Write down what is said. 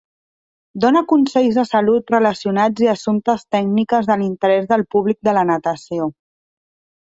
Dóna consells de salut relacionats i assumptes tècniques de l'interès del públic de la natació.